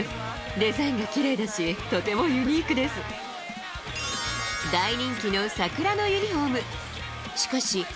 デザインがきれいだし、とてもユ大人気の桜のユニホーム。